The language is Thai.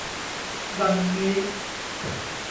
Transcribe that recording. ดังนี้